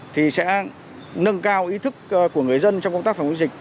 thì sẽ nâng cao ý thức của người dân trong công tác phòng chống dịch